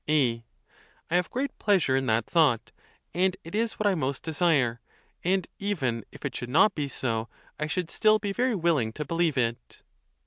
A. I have great pleasure in that thought, and it is what I most desire; and even if it should not be so, I should still be very willing to believe it.